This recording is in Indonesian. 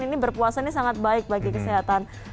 ini berpuasa ini sangat baik bagi kesehatan